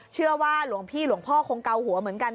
เชื่อว่าหลวงพี่หลวงพ่อคงเกาหัวเหมือนกัน